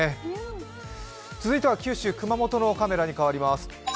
続いては九州熊本のカメラに変わります。